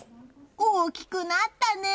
大きくなったね！